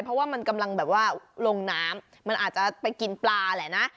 เพราะว่ามันกำลังแบบว่าลงน้ำมันอาจจะไปกินปลาแหละนะ